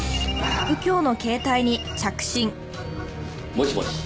もしもし。